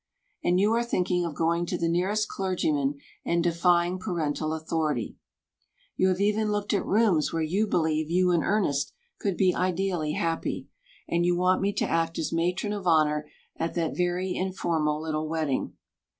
And you are thinking of going to the nearest clergyman and defying parental authority. You have even looked at rooms where you believe you and Ernest could be ideally happy. And you want me to act as matron of honour at that very informal little wedding.